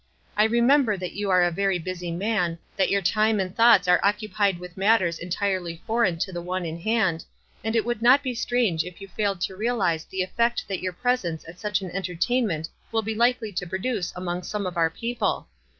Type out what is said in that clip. I remember that you are a very busy man, that your time and thoughts are occupied with mat 17 253 WISE AND OTHERWISE. ters entirely foreign to the one in hand, and it would not be strange if you failed to realize the effect that your presence at such at an entertain ment will be likely to produce among some of our people.